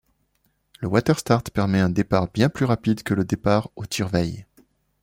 Le waterstart permet un départ bien plus rapide que le départ au tire-veille.